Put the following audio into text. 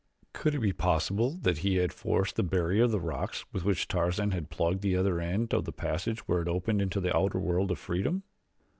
Could it be possible that he had forced the barrier of rocks with which Tarzan had plugged the other end of the passage where it opened into the outer world of freedom?